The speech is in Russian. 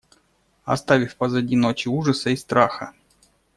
Оставив позади ночи ужаса и страха,.